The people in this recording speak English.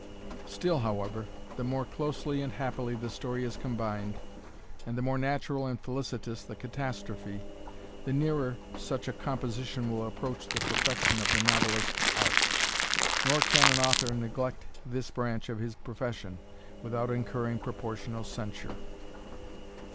Still, however, the more closely and happily the story is combined, and the more natural and felicitous the catastrophe, the nearer such a composition will approach the perfection of the novelist's art; nor can an author neglect this branch of his profession, without incurring proportional censure.